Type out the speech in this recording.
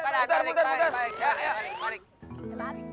balik balik balik balik balik balik